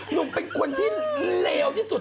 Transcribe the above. หลวงไปเป็นคนที่เลวที่สุด